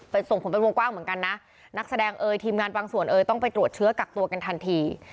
แต่ส่งผลเป็นวงกว้างเหมือนกันนะนักแสดงเอ่ยทีมงานบางส่วนเอ่ยต้องไปตรวจเชื้อกักตัวกันทันที